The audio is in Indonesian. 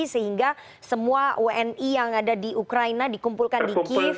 sehingga semua wni yang ada di ukraina dikumpulkan di kiev